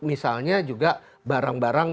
misalnya juga barang barang